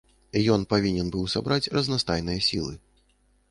Ён павінен быў сабраць разнастайныя сілы.